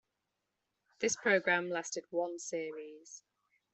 This programme lasted one series.